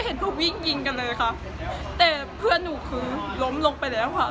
คือพวกหนูเนี่ยไม่รู้เรื่องอะไรเลยค่ะ